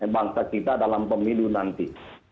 bangsa kita dalam pemilu nanti